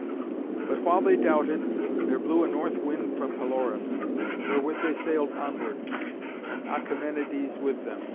But while they doubted, there blew a north wind from Pelorus, wherewith they sailed onwards, and Achæmenides with them.